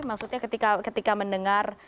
maksudnya ketika mendengar